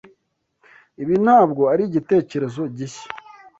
Ibi ntabwo ari igitekerezo gishya.